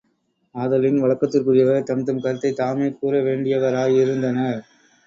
ஆதலின், வழக்கிற்குரியவர் தம் தம் கருத்தைத் தாமே கூறவேண்டியவராயிருந்தனர்.